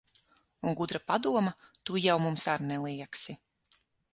Un gudra padoma tu jau mums ar neliegsi.